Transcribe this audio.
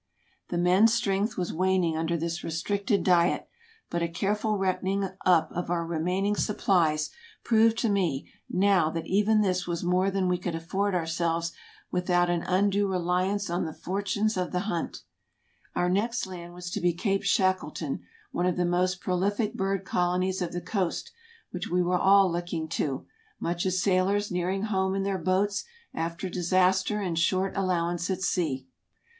The men's strength was waning under this restricted diet, but a careful reckoning up of our remaining supplies proved to me now that even this was more than we could afford ourselves without an undue reliance on the fortunes of the hunt. Our AMERICA 167 next land was to he Cape Shackleton, one of the most pro lific bird colonies of the coast, which we were all looking to, much as sailors nearing home in their boats after disaster and short allowance at sea.